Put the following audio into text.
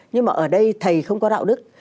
nhưng mà ở đây thầy không có đạo đức